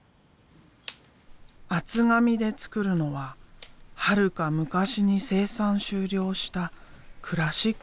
厚紙で作るのははるか昔に生産終了したクラシックカー。